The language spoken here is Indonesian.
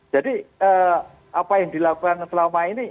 jadi apa yang dilakukan selama ini